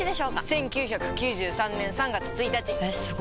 １９９３年３月１日！えすご！